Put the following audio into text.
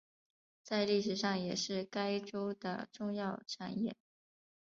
在历史上也是该州的重要产业。